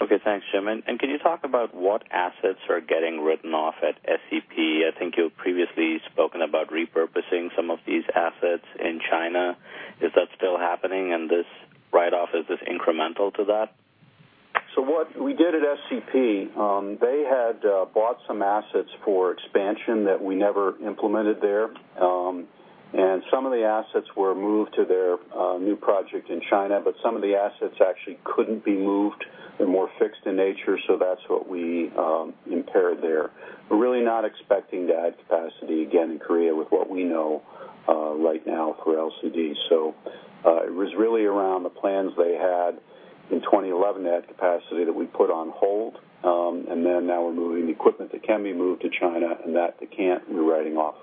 Okay. Thanks, Jim. Can you talk about what assets are getting written off at SCP? I think you had previously spoken about repurposing some of these assets in China. Is that still happening, and this write-off, is this incremental to that? What we did at SCP, they had bought some assets for expansion that we never implemented there. Some of the assets were moved to their new project in China, but some of the assets actually couldn't be moved. They're more fixed in nature, that's what we impaired there. We're really not expecting to add capacity again in Korea with what we know right now for LCD. It was really around the plans they had in 2011 to add capacity that we put on hold. Now we're moving equipment that can be moved to China, and that they can't, we're writing off.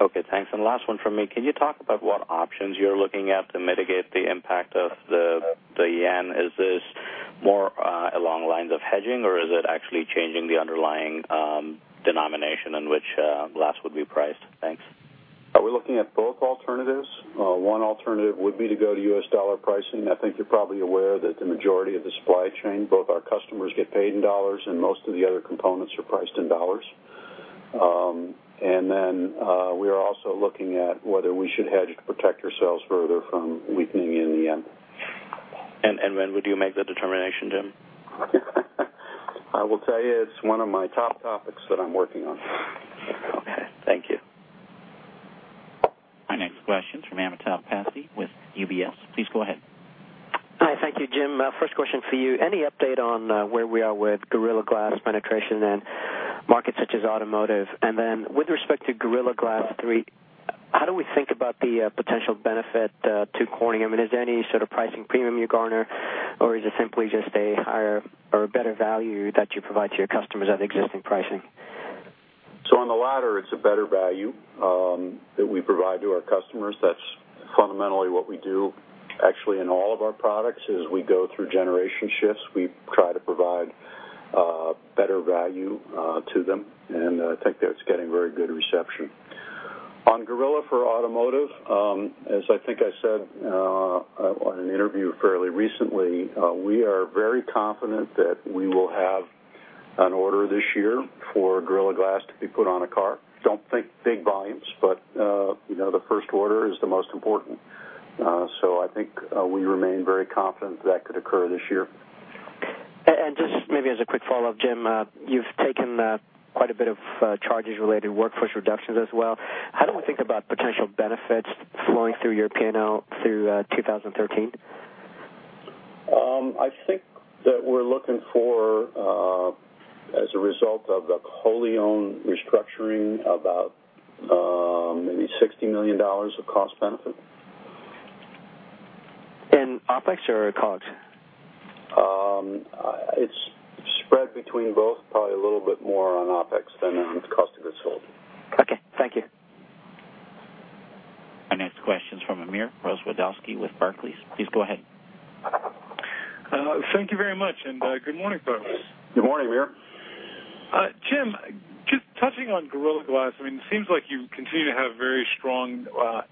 Okay, thanks. Last one from me. Can you talk about what options you're looking at to mitigate the impact of the Yen? Is this more along the lines of hedging, or is it actually changing the underlying denomination in which glass would be priced? Thanks. We're looking at both alternatives. One alternative would be to go to U.S. dollar pricing. I think you're probably aware that the majority of the supply chain, both our customers get paid in U.S. dollars and most of the other components are priced in U.S. dollars. We are also looking at whether we should hedge to protect ourselves further from weakening in the Yen. When would you make that determination, Jim? I will tell you, it's one of my top topics that I'm working on. Okay. Thank you. Our next question's from Amitav Pasie with UBS. Please go ahead. Hi. Thank you, Jim. First question for you. Any update on where we are with Gorilla Glass penetration in markets such as automotive? Then, with respect to Gorilla Glass 3, how do we think about the potential benefit to Corning? I mean, is there any sort of pricing premium you garner, or is it simply just a higher or a better value that you provide to your customers at existing pricing? On the latter, it's a better value that we provide to our customers. That's fundamentally what we do, actually, in all of our products is we go through generation shifts. We try to provide better value to them, and I think that's getting very good reception. On Gorilla for automotive, as I think I said on an interview fairly recently, we are very confident that we will have an order this year for Gorilla Glass to be put on a car. Don't think big volumes, but the first order is the most important. I think we remain very confident that could occur this year. Just maybe as a quick follow-up, Jim, you've taken quite a bit of charges related to workforce reductions as well. How do we think about potential benefits flowing through your P&L through 2013? I think that we're looking for, as a result of the Corning restructuring, about maybe $60 million of cost benefit. In OpEx or COGS? It's spread between both, probably a little bit more on OpEx than on cost of goods sold. Okay. Thank you. Our next question's from Amir Rozwadowski with Barclays. Please go ahead. Thank you very much, and good morning, folks. Good morning, Amir. Jim, just touching on Gorilla Glass, it seems like you continue to have very strong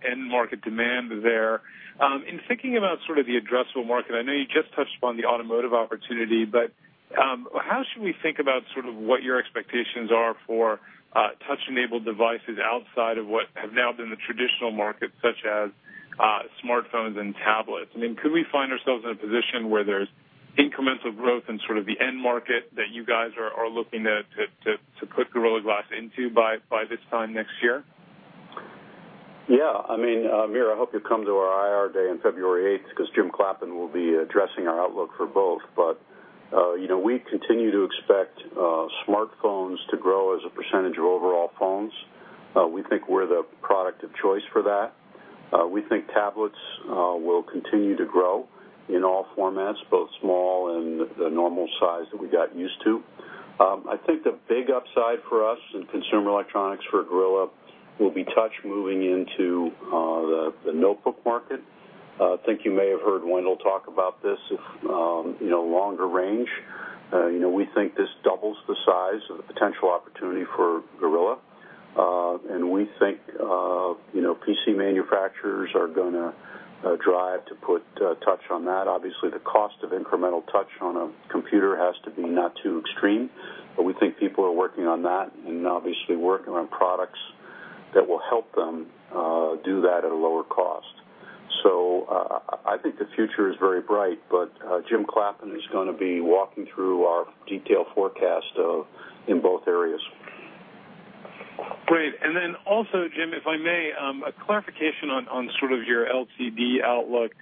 end market demand there. In thinking about the addressable market, I know you just touched upon the automotive opportunity, but how should we think about what your expectations are for touch-enabled devices outside of what have now been the traditional markets, such as smartphones and tablets? Could we find ourselves in a position where there's incremental growth in the end market that you guys are looking to put Gorilla Glass into by this time next year? Amir, I hope you'll come to our IR day on February 8th because Jim Clappin will be addressing our outlook for both. We continue to smartphones to grow as a percentage of overall phones. We think we're the product of choice for that. We think tablets will continue to grow in all formats, both small and the normal size that we got used to. I think the big upside for us in consumer electronics for Gorilla will be touch moving into the notebook market. I think you may have heard Wendell talk about this, longer range. We think this doubles the size of the potential opportunity for Gorilla. We think PC manufacturers are going to drive to put touch on that. Obviously, the cost of incremental touch on a computer has to be not too extreme, we think people are working on that and obviously working on products that will help them do that at a lower cost. I think the future is very bright, Jim Clappin is going to be walking through our detailed forecast in both areas. Great. Also, Jim, if I may, a clarification on sort of your LCD outlook.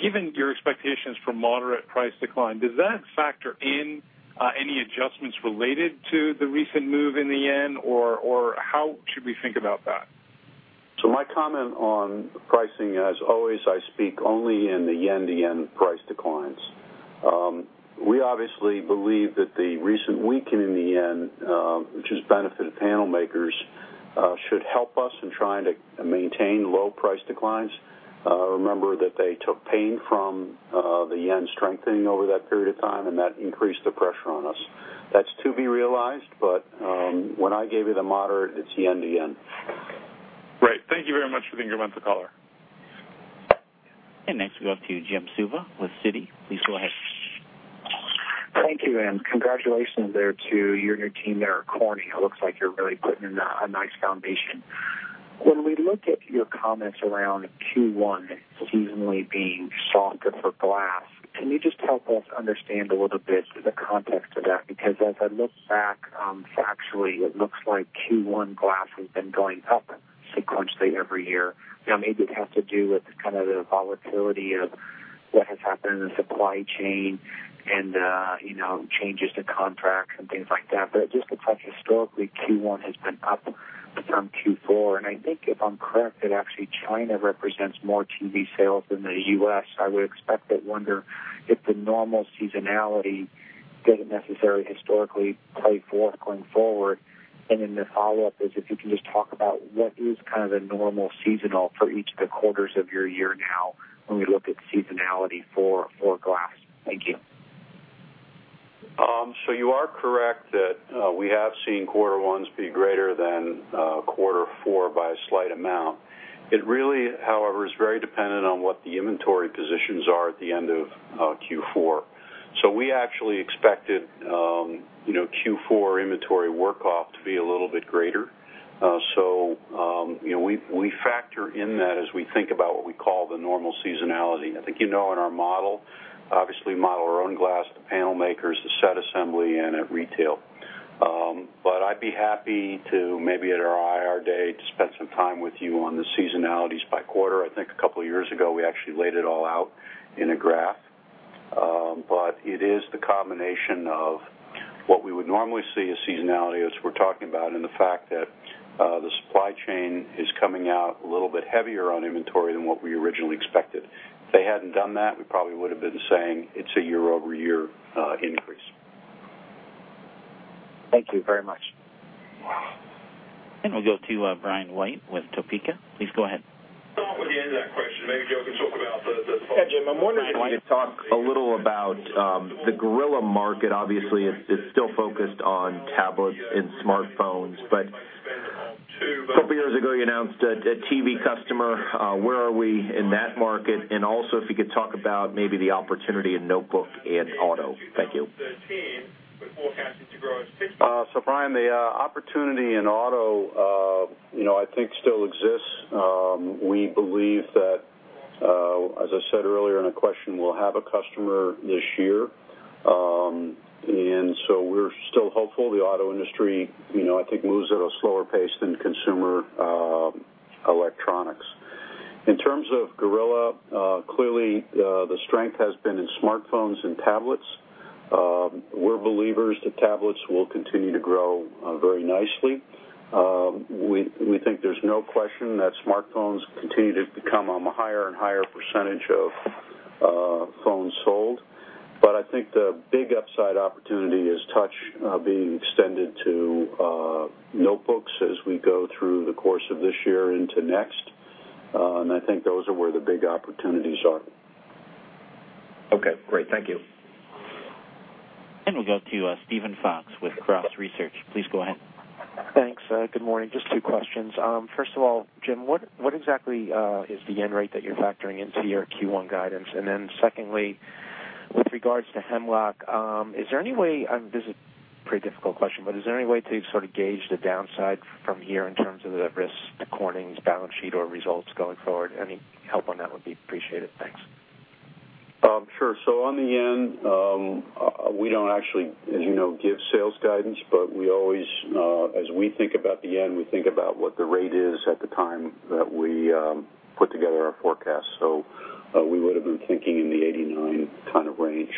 Given your expectations for moderate price decline, does that factor in any adjustments related to the recent move in the yen, or how should we think about that? My comment on pricing, as always, I speak only in the yen-to-yen price declines. We obviously believe that the recent weaken in the yen, which has benefited panel makers, should help us in trying to maintain low price declines. Remember that they took pain from the yen strengthening over that period of time, and that increased the pressure on us. That's to be realized, but when I gave you the moderate, it's yen-to-yen. Great. Thank you very much for the incremental color. Next we go to Jim Suva with Citi. Please go ahead. Thank you, and congratulations there to you and your team there at Corning. It looks like you're really putting in a nice foundation. When we look at your comments around Q1 seasonally being softer for glass, can you just help us understand a little bit the context of that? Because as I look back factually, it looks like Q1 glass has been going up sequentially every year. Maybe it has to do with kind of the volatility of what has happened in the supply chain and changes to contracts and things like that. It just looks like historically Q1 has been up from Q4. I think if I'm correct, that actually China represents more TV sales than the U.S. I would expect, but wonder if the normal seasonality doesn't necessarily historically play forth going forward. The follow-up is if you can just talk about what is kind of the normal seasonal for each of the quarters of your year now when we look at seasonality for glass. Thank you. You are correct that we have seen quarter ones be greater than quarter four by a slight amount. It really, however, is very dependent on what the inventory positions are at the end of Q4. We actually expected Q4 inventory work off to be a little bit greater. We factor in that as we think about what we call the normal seasonality. I think you know in our model, obviously model our own glass, the panel makers, the set assembly, and at retail. I'd be happy to maybe at our IR Day to spend some time with you on the seasonalities by quarter. I think a couple of years ago, we actually laid it all out in a graph. It is the combination of what we would normally see as seasonality as we're talking about, and the fact that the supply chain is coming out a little bit heavier on inventory than what we originally expected. If they hadn't done that, we probably would've been saying it's a year-over-year increase. Thank you very much. We'll go to Brian White with Topeka. Please go ahead. Start with the end of that question. Maybe Joe can talk about. Hi, Jim. Brian White If you want to talk a little about the Gorilla market. Obviously, it's still focused on tablets and smartphones, but a couple years ago, you announced a TV customer. Where are we in that market? Also, if you could talk about maybe the opportunity in notebook and auto. Thank you. Brian, the opportunity in auto, I think still exists. We believe that, as I said earlier in a question, we'll have a customer this year. We're still hopeful. The auto industry, I think, moves at a slower pace than consumer electronics. In terms of Gorilla, clearly, the strength has been in smartphones and tablets. We're believers that tablets will continue to grow very nicely. We think there's no question that smartphones continue to become a higher and higher percentage of phones sold. I think the big upside opportunity is touch being extended to notebooks as we go through the course of this year into next. I think those are where the big opportunities are. Okay, great. Thank you. We'll go to Steven Fox with Cross Research. Please go ahead. Thanks. Good morning. Just two questions. First of all, Jim, what exactly is the yen rate that you're factoring into your Q1 guidance? Secondly, with regards to Hemlock, this is a pretty difficult question, but is there any way to sort of gauge the downside from here in terms of the risk to Corning's balance sheet or results going forward? Any help on that would be appreciated. Thanks. Sure. On the yen, we don't actually, as you know, give sales guidance, but as we think about the yen, we think about what the rate is at the time that we put together our forecast. We would have been thinking in the 89 kind of range.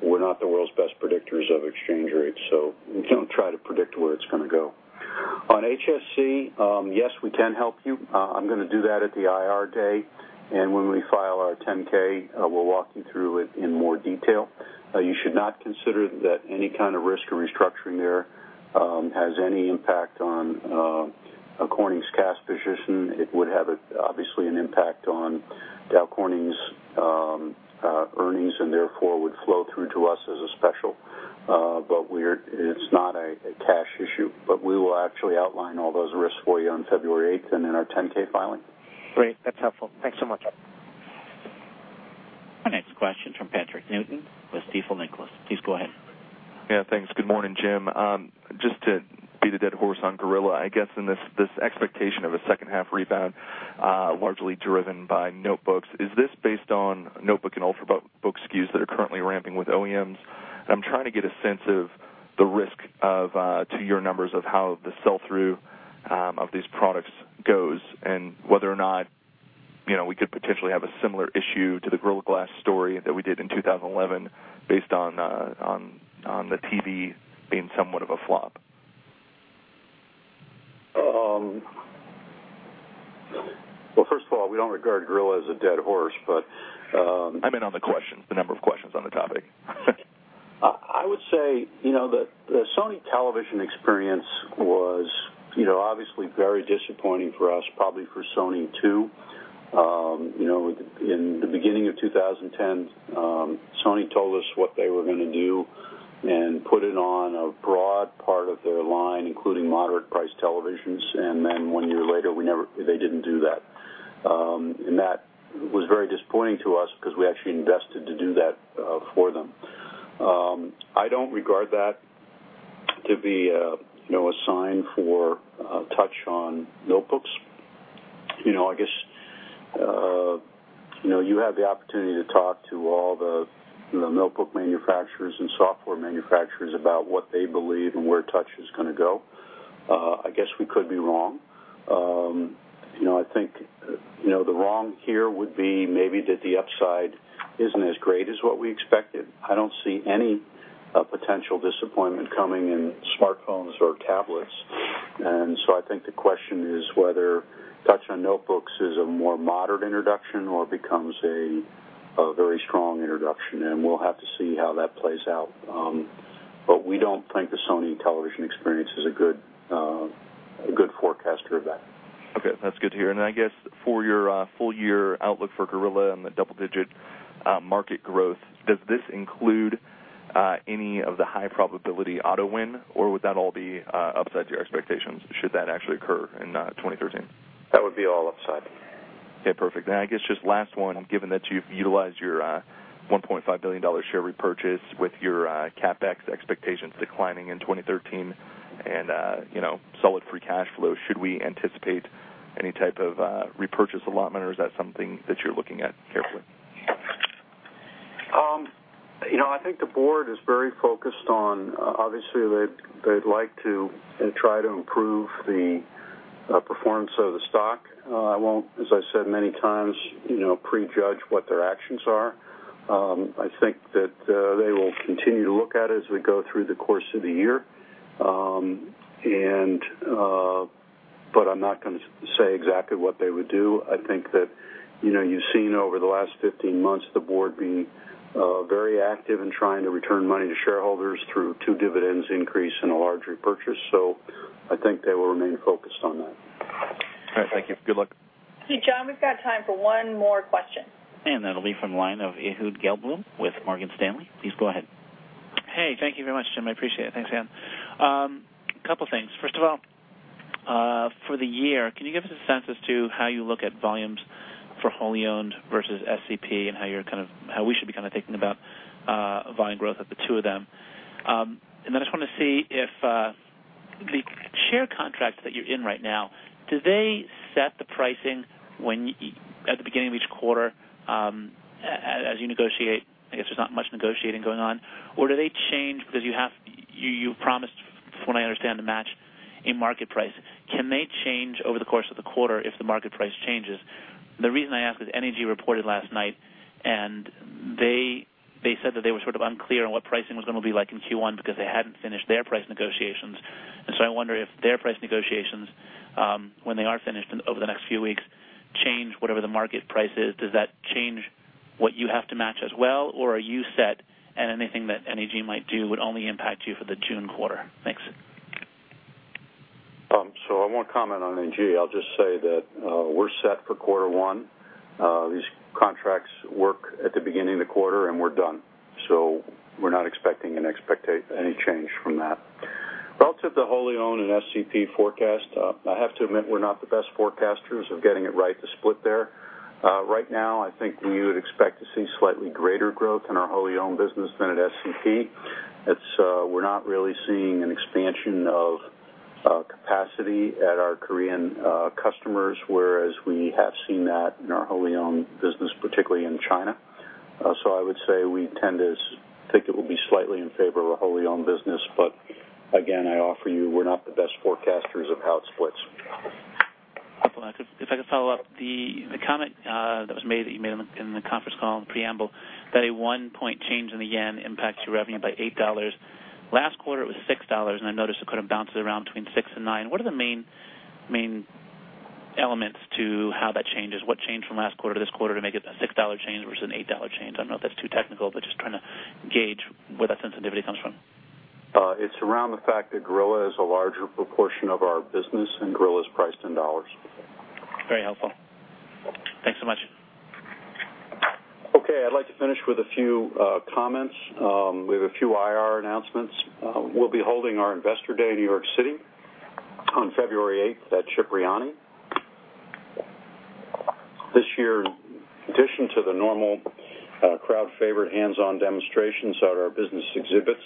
We're not the world's best predictors of exchange rates, so we don't try to predict where it's going to go. On HSC, yes, we can help you. I'm going to do that at the IR day. When we file our 10-K, we'll walk you through it in more detail. You should not consider that any kind of risk or restructuring there has any impact on Corning's cash position. It would have, obviously, an impact on Dow Corning's earnings, and therefore, would flow through to us as a special. It's not a cash issue, but we will actually outline all those risks for you on February 8th and in our 10-K filing. Great. That's helpful. Thanks so much. Our next question's from Patrick Newton with Stifel Nicolaus. Please go ahead. Yeah, thanks. Good morning, Jim. Just to beat a dead horse on Gorilla, I guess in this expectation of a second half rebound, largely driven by notebooks, is this based on notebook and ultrabook SKUs that are currently ramping with OEMs? I'm trying to get a sense of the risk to your numbers of how the sell-through of these products goes, and whether or not we could potentially have a similar issue to the Gorilla Glass story that we did in 2011 based on the TV being somewhat of a flop. Well, first of all, we don't regard Gorilla as a dead horse. I meant on the question, the number of questions on the topic. I would say, the Sony television experience was obviously very disappointing for us, probably for Sony too. In the beginning of 2010, Sony told us what they were going to do and put it on a broad part of their line, including moderate-priced televisions, and then one year later, they didn't do that. That was very disappointing to us because we actually invested to do that for them. I don't regard that to be a sign for touch on notebooks. I guess you have the opportunity to talk to all the notebook manufacturers and software manufacturers about what they believe and where touch is going to go. I guess we could be wrong. I think the wrong here would be maybe that the upside isn't as great as what we expected. I don't see any potential disappointment coming in smartphones or tablets. I think the question is whether touch on notebooks is a more moderate introduction or becomes a very strong introduction, and we'll have to see how that plays out. But we don't think the Sony television experience is a good forecaster of that. Okay, that's good to hear. I guess for your full-year outlook for Gorilla and the double-digit market growth, does this include any of the high probability auto win, or would that all be upside to your expectations should that actually occur in 2013? That would be all upside. Okay, perfect. I guess just last one, given that you've utilized your $1.5 billion share repurchase with your CapEx expectations declining in 2013 and solid free cash flow, should we anticipate any type of repurchase allotment, or is that something that you're looking at carefully? I think the board is very focused on, obviously, they'd like to try to improve the performance of the stock. I won't, as I said many times, prejudge what their actions are. I think that they will continue to look at it as we go through the course of the year. I'm not going to say exactly what they would do. I think that you've seen over the last 15 months, the board being very active in trying to return money to shareholders through two dividends increase and a large repurchase. I think they will remain focused on that. All right, thank you. Good luck. Okay, John, we've got time for one more question. That'll be from the line of Ehud Gelblum with Morgan Stanley. Please go ahead. Hey, thank you very much, Jim. I appreciate it. Thanks, Anne. Couple things. First of all, for the year, can you give us a sense as to how you look at volumes for wholly owned versus SCP and how we should be thinking about volume growth of the two of them? Then I just want to see if the share contracts that you're in right now, do they set the pricing at the beginning of each quarter as you negotiate, I guess there's not much negotiating going on, or do they change because you promised, from what I understand, to match in market price. Can they change over the course of the quarter if the market price changes? The reason I ask is NEG reported last night, and they said that they were sort of unclear on what pricing was going to be like in Q1 because they hadn't finished their price negotiations. So I wonder if their price negotiations, when they are finished over the next few weeks, change whatever the market price is. Does that change what you have to match as well, or are you set and anything that NEG might do would only impact you for the June quarter? Thanks. I won't comment on NEG. I'll just say that we're set for quarter one. These contracts work at the beginning of the quarter, and we're done. We're not expecting any change from that. Relative to wholly owned and SCP forecast, I have to admit we're not the best forecasters of getting it right, the split there. Right now, I think you would expect to see slightly greater growth in our wholly owned business than at SCP. We're not really seeing an expansion of capacity at our Korean customers, whereas we have seen that in our wholly owned business before in China. I would say we tend to think it will be slightly in favor of a wholly owned business, but again, I offer you, we're not the best forecasters of how it splits. If I could follow up. The comment that you made in the conference call in the preamble, that a one-point change in the Japanese yen impacts your revenue by $8. Last quarter it was $6, and I noticed it kind of bounces around between six and nine. What are the main elements to how that changes? What changed from last quarter to this quarter to make it a $6 change versus an $8 change? I don't know if that's too technical, but just trying to gauge where that sensitivity comes from. It's around the fact that Gorilla is a larger proportion of our business, and Gorilla is priced in dollars. Very helpful. Thanks so much. Okay, I'd like to finish with a few comments. We have a few IR announcements. We'll be holding our Investor Day in New York City on February 8th at Cipriani. This year, in addition to the normal crowd favorite hands-on demonstrations at our business exhibits,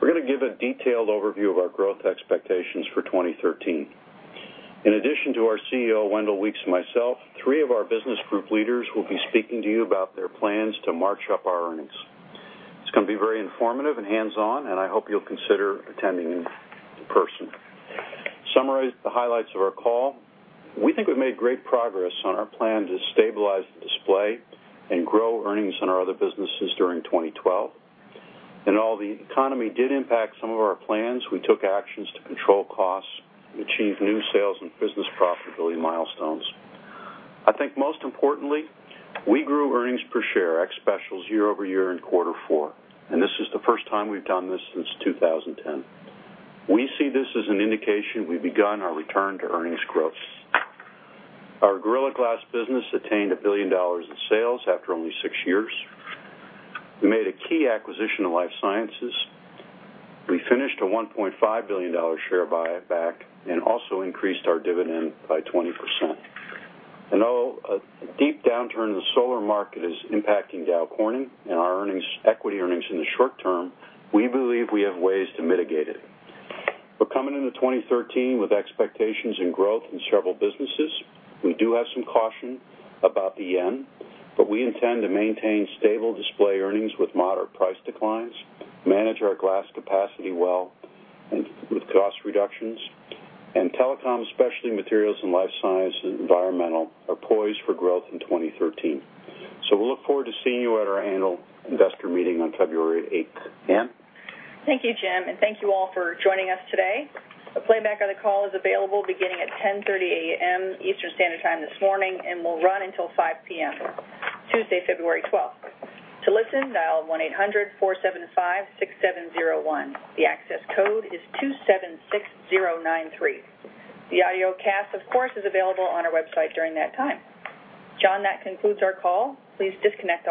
we're going to give a detailed overview of our growth expectations for 2013. In addition to our CEO, Wendell Weeks, and myself, three of our business group leaders will be speaking to you about their plans to march up our earnings. It's going to be very informative and hands-on, and I hope you'll consider attending in person. To summarize the highlights of our call, we think we've made great progress on our plan to stabilize the display and grow earnings in our other businesses during 2012. Although the economy did impact some of our plans, we took actions to control costs, achieve new sales, and business profitability milestones. I think most importantly, we grew earnings per share ex specials year-over-year in quarter four, and this is the first time we've done this since 2010. We see this as an indication we've begun our return to earnings growth. Our Gorilla Glass business attained $1 billion in sales after only six years. We made a key acquisition of Life Sciences. We finished a $1.5 billion share buyback and also increased our dividend by 20%. Although a deep downturn in the solar market is impacting Dow Corning and our equity earnings in the short term, we believe we have ways to mitigate it. We're coming into 2013 with expectations and growth in several businesses. We do have some caution about the yen, but we intend to maintain stable Display Technologies earnings with moderate price declines, manage our glass capacity well with cost reductions, and Telecommunications, Specialty Materials, and Life Science and Environmental Technologies are poised for growth in 2013. We'll look forward to seeing you at our annual investor meeting on February 8th. Anne? Thank you, Jim, and thank you all for joining us today. A playback of the call is available beginning at 10:30 A.M. Eastern Standard Time this morning, and will run until 5:00 P.M. Tuesday, February 12th. To listen, dial 1-800-475-6701. The access code is 276093. The audio cast, of course, is available on our website during that time. John, that concludes our call. Please disconnect lines.